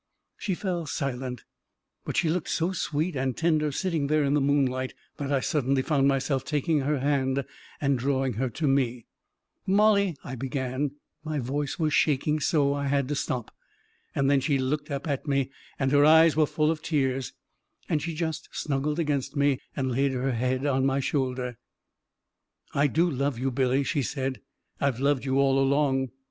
." She fell silent, but she looked so sweet and tender sitting there in the moonlight, that I suddenly found myself taking her hand and drawing her to me. " Mollie," I began, but my voice was shaking so I had to stop. And then she looked up at me, and her eyes were full of tears, and she just snuggled against me and laid her head on my shoulder ..." I do love you, Billy," she said. " I've loved you all along!